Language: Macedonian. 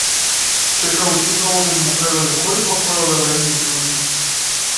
Чекаа учителот да им определи кој во кое одделение ќе учи.